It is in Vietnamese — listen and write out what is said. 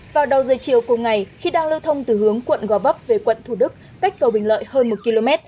vào đầu giờ chiều cùng ngày khi đang lưu thông từ hướng quận gò vấp về quận thủ đức cách cầu bình lợi hơn một km